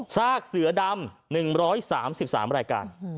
ซากเสือดำ๑๓๓รายการ